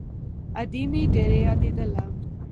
ادې مې ډېره يادېدله.